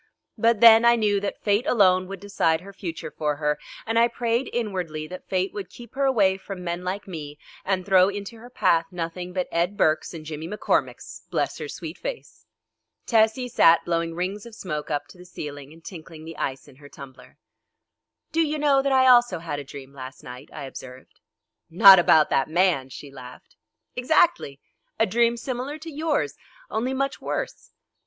But then I knew that fate alone would decide her future for her, and I prayed inwardly that fate would keep her away from men like me and throw into her path nothing but Ed Burkes and Jimmy McCormicks, bless her sweet face! Tessie sat blowing rings of smoke up to the ceiling and tinkling the ice in her tumbler. "Do you know that I also had a dream last night?" I observed. "Not about that man," she laughed. "Exactly. A dream similar to yours, only much worse."